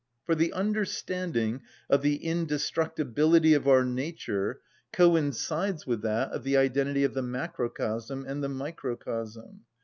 For the understanding of the indestructibility of our nature coincides with that of the identity of the macrocosm and the microcosm.